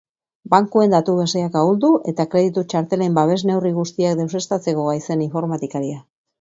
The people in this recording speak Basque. Bankuen datu-baseak ahuldu eta kreditu txartelen babes-neurri guztiak deuseztatzeko gai zen informatikaria.